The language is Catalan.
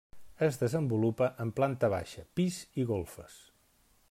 Es desenvolupa en planta baixa, pis i golfes.